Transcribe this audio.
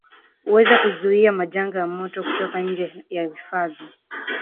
huweza kuzuia majanga ya moto kutoka nje ya hifadhi